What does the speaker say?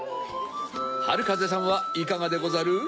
はるかぜさんはいかがでござる？